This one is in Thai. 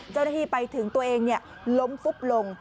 เจ้าหน้าที่ไปถึงตัวเองล้มฟุบลง